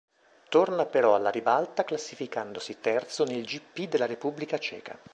Torna però alla ribalta classificandosi terzo nel gp della Repubblica Ceca.